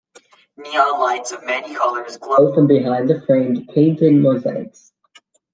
Neon lights of many colors glow from behind the framed painted mosaics.